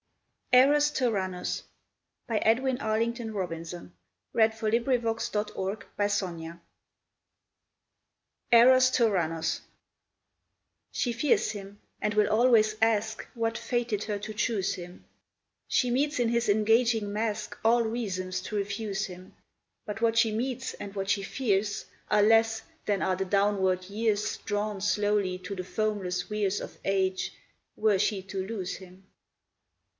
that he knows. I wonder if he cares. Perhaps he does.... O Lord, that House in Stratford! Eros Turannos She fears him, and will always ask What fated her to choose him; She meets in his engaging mask All reasons to refuse him; But what she meets and what she fears Are less than are the downward years, Drawn slowly to the foamless weirs Of age, were she to lose him.